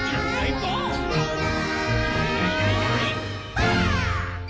ばあっ！